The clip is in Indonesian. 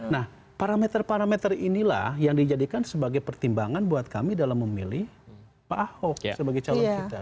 nah parameter parameter inilah yang dijadikan sebagai pertimbangan buat kami dalam memilih pak ahok sebagai calon kita